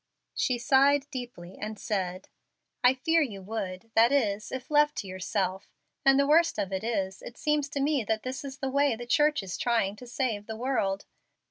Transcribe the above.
She sighed deeply, and said, "I fear you would that is, if left to yourself. And the worst of it is, it seems to me that this is the way the Church is trying to save the world.